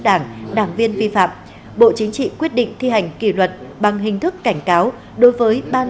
đảng đảng viên vi phạm bộ chính trị quyết định thi hành kỷ luật bằng hình thức cảnh cáo đối với ban